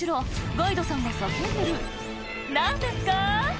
ガイドさんが叫んでる何ですか？